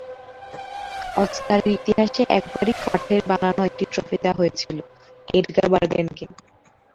অস্কারের ইতিহাসে একবারই কাঠের বানানো একটি ট্রফি দেওয়া হয়েছিল এডগার বার্গেনকে।